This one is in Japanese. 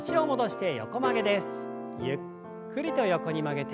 ゆっくりと横に曲げて。